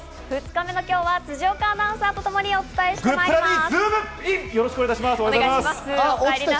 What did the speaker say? ２日間の今日は辻岡アナウンサーとともにお伝えします。